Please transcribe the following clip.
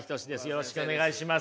よろしくお願いします。